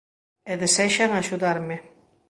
E desexan axudarme.